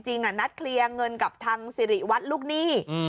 นัดเคลียร์เงินกับทางสิริวัตรลูกหนี้